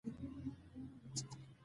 د هېواد په مینه کې مو ژوند تېر شي.